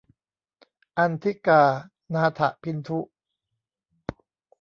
อันธิกา นาถะพินธุ